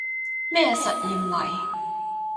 咩實驗嚟